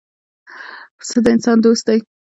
پسه د انسان دوست دی.